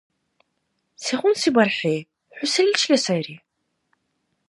Сегъунси бархӀи? ХӀу селичила сайри?